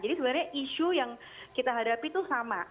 jadi sebenarnya isu yang kita hadapi itu sama